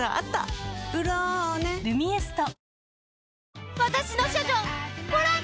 「ブローネ」「ルミエスト」